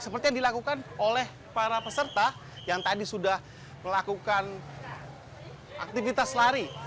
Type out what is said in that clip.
seperti yang dilakukan oleh para peserta yang tadi sudah melakukan aktivitas lari